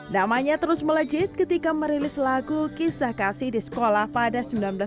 namanya terus melejit ketika merilis lagu kisah kasih di sekolah pada seribu sembilan ratus delapan puluh